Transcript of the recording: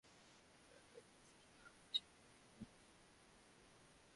Athletics ছাড়ার পরও নানা ভূমিকায় অ্যাথলেটিকসের সঙ্গেই ছিলেন জি, করিয়েছেন কোচিংও।